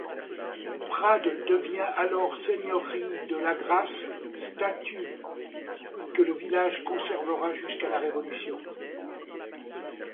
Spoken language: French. Prades devient alors seigneurie de Lagrasse, statut que le village conservera jusqu'à la Révolution.